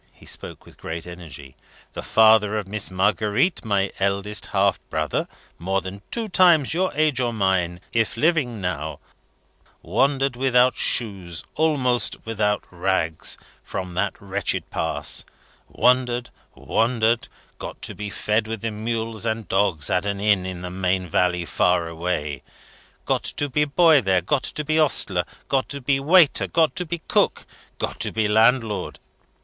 He spoke with great energy. "The father of Miss Marguerite, my eldest half brother, more than two times your age or mine, if living now, wandered without shoes, almost without rags, from that wretched Pass wandered wandered got to be fed with the mules and dogs at an Inn in the main valley far away got to be Boy there got to be Ostler got to be Waiter got to be Cook got to be Landlord.